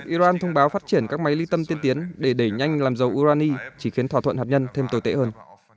iran thông báo phát triển các máy ly tâm tiên tiến để đẩy nhanh làm dầu urani chỉ khiến thỏa thuận hạt nhân thêm tồi tệ hơn